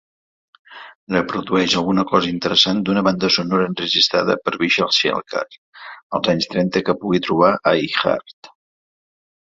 Reprodueix alguna cosa interessant d'una banda sonora enregistrada per Vishal-shekhar als anys trenta que pugui trobar a Iheart